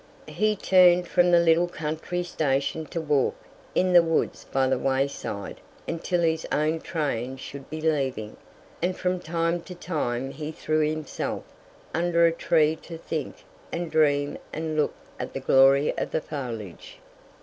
He turned from the little country station to walk in the woods by the wayside until his own train should be leaving, and from time to time he threw himself under a tree to think and dream and look at the glory of the foliage.